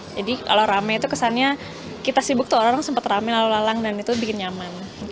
jadi kalau rame itu kesannya kita sibuk tuh orang orang sempat rame lalu lalang dan itu bikin nyaman